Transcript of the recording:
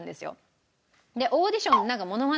でオーディション。